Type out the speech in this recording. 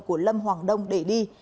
của lâm hoàng đông để đi